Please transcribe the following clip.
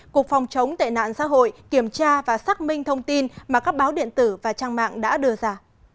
cục phòng chống tệ nạn xã hội kiểm tra và xác minh thông tin mà các báo điện tử và trang mạng đã đưa ra